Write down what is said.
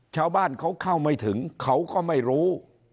ชาวบ้านเขาเข้าไม่ถึงเขาก็ไม่รู้